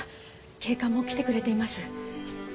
警官も来てくれています。